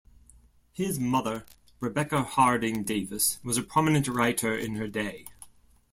His mother Rebecca Harding Davis was a prominent writer in her day.